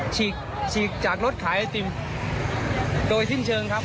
ฉีกจากรถขายอาติมโดยที่เชิงครับ